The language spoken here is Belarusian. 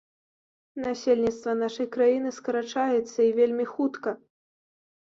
Насельніцтва нашай краіны скарачаецца, і вельмі хутка.